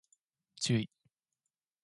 じゅい